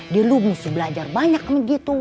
dia lo mesti belajar banyak gitu